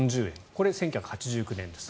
これが１９８９年です。